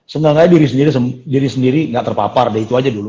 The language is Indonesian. sebenarnya diri sendiri gak terpapar deh itu aja dulu